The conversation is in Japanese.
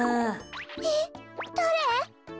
えっだれ？